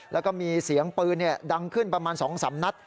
แล้วก็มีเสียงปืนดังขึ้นประมาณ๒๓นัด